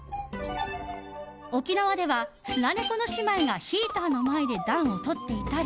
沖縄ではスナネコの姉妹がヒーターの前で暖をとっていたり